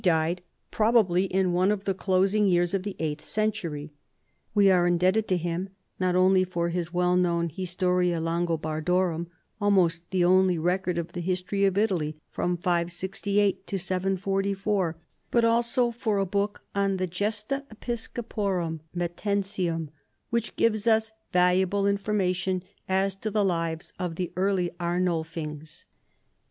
291 died, probably in one of the closing years of the eighth century. We are indebted to him, not only for his Avell known Ilistoria Langohardorwm — almost the only record of the history of Italy from 568 to 744— but also for a book on the Gesta Episcoporum Mettensium which gives us valuable information as to the lives of the early Arnulfings.